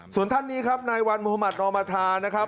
ส่วนท่านนี้ครับนายวันมุธมัธนอมธานะครับ